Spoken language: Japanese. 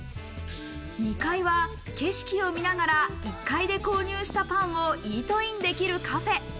２階は景色を見ながら、１階で購入したパンをイートインできるカフェ。